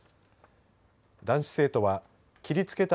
男子生徒は切りつけた